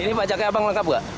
ini pajaknya abang lengkap nggak